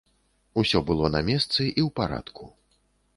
Усё было на месцы і ў парадку.